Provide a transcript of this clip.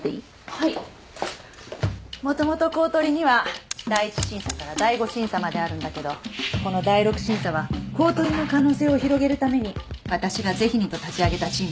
もともと公取には第一審査から第五審査まであるんだけどこの第六審査は公取の可能性を広げるために私がぜひにと立ち上げたチームなの。